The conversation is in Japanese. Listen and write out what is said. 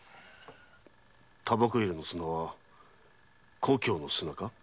煙草入れの砂は故郷の砂か？